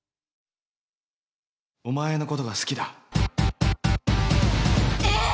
お前のことが好きだ。え！？え！？